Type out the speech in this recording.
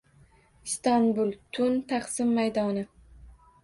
Istanbul. Tun. Taqsim maydoni.